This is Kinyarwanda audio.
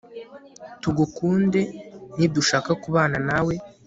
tugukunde, nidushaka kubana nawe